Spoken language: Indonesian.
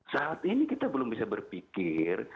saat ini kita belum bisa berpikir